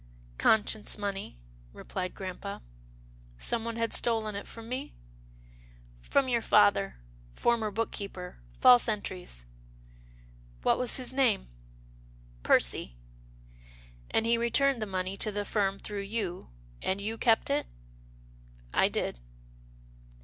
Conscience money," replied Grampa. " Someone had stolen it from me? " From your father — former book keeper — false entries." What was his name? "" Percy." And he returned the money to the firm through you, and you kept it? "" I did."